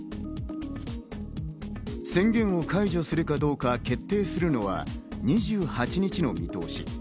宣言を解除するかどうか決定するのは、２８日の見通し。